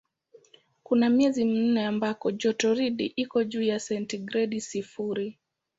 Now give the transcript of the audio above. Kuna miezi minne ambako jotoridi iko juu ya sentigredi sifuri.